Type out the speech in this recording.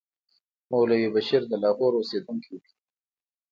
مولوي بشیر د لاهور اوسېدونکی دی.